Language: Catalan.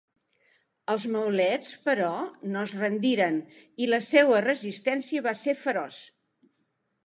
Els maulets, però, no es rendiren, i la seua resistència va ser feroç.